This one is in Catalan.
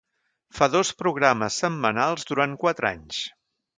Fa dos programes setmanals durant quatre anys.